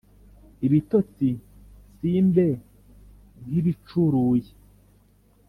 ibitotsi simbe nkibicuruye